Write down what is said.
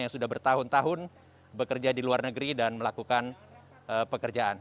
yang sudah bertahun tahun bekerja di luar negeri dan melakukan pekerjaan